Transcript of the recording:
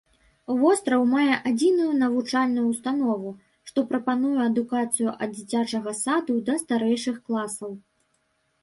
Востраў мае адзіную навучальную ўстанову, што прапануе адукацыю ад дзіцячага саду да старэйшых класаў.